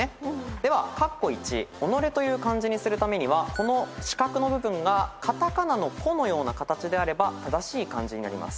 では「己」という漢字にするためにはこの四角の部分が片仮名の「コ」のような形であれば正しい漢字になります。